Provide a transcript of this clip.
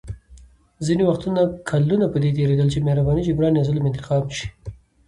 ځینې وختونه کلونه په دې تېرېدل چې مهرباني جبران یا ظلم انتقام شي.